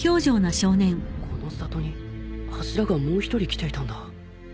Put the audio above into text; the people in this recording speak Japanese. この里に柱がもう一人来ていたんだ。